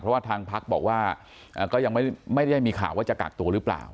เพราะว่าทางพักบอกว่าก็ยังไม่ได้มีข่าวว่าจะกักตัวหรือเปล่า